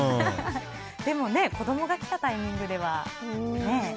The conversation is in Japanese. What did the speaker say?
でも、子供が来たタイミングではね。